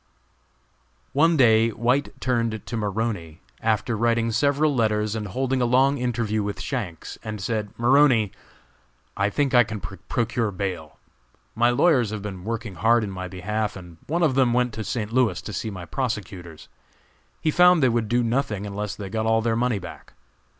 One day White turned to Maroney, after writing several letters and holding a long interview with Shanks, and said: "Maroney, I think I can procure bail. My lawyers have been working hard in my behalf, and one of them went to St. Louis to see my prosecutors. He found they would do nothing unless they got all their money back.